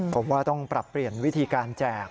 ผมว่าต้องปรับเปลี่ยนวิธีการแจก